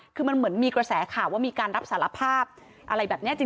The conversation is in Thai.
คือมันเหมือนมีกระแสข่าวว่ามีการรับสารภาพอะไรแบบนี้จริง